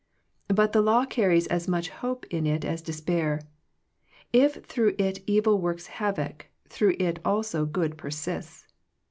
But the law carries as much hope in it as despair. If through it evil works havoc, through it also good persists.